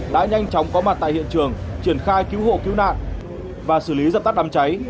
đã nhanh chóng có mặt tại hiện trường triển khai cứu hộ cứu nạn và xử lý dập tắt đám cháy